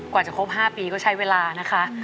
กว่าจะครบ๕ปีก็ใช้เวลานะคะ